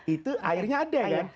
itu airnya ada kan